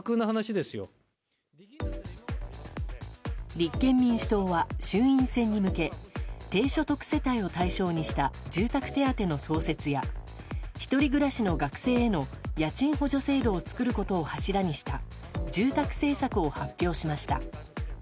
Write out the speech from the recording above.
立憲民主党は衆院選に向け低所得世帯を対象にした住宅手当の創設や１人暮らしの学生への家賃補助制度を作ることを柱にした住宅政策を発表しました。